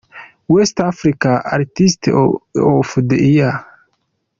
Western Africa artist of the year.